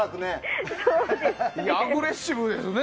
アグレッシブですね